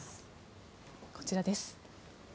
こちらです。